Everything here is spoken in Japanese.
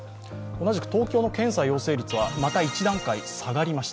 同じく東京の検査陽性率はまた一段階下がりました。